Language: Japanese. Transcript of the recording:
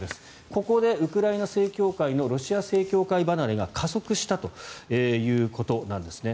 ここでウクライナ正教会のロシア正教会離れが加速したということなんですね。